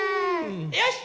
よし！